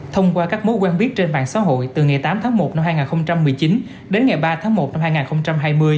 thông qua các mối quan biết trên mạng xã hội từ ngày tám tháng một năm hai nghìn một mươi chín đến ngày ba tháng một năm hai nghìn hai mươi